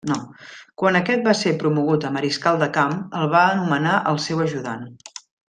Quan aquest va ser promogut a mariscal de camp, el va nomenar el seu ajudant.